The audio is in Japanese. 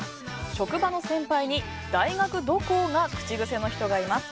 職場の先輩に大学どこ？が口癖の人がいます。